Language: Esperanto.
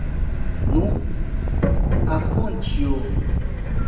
Nu, Afonĉjo!